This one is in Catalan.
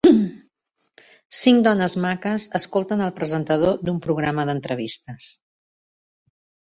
cinc dones maques escolten al presentador d'un programa d'entrevistes.